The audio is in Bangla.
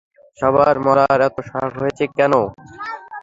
সবার মরার এত শখ হয়েছে কেন?